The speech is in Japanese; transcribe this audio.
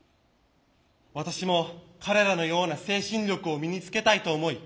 私も彼らのような精神力を身につけたいと思い